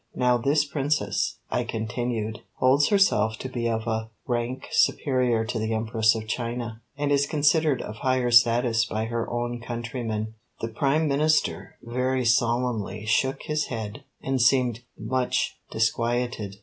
Now this Princess," I continued, "holds herself to be of a rank superior to the Empress of China, and is considered of higher status by her own countrymen." The Prime Minister very solemnly shook his head and seemed much disquieted.